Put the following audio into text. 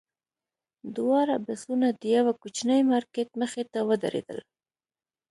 دواړه بسونه د یوه کوچني مارکېټ مخې ته ودرېدل.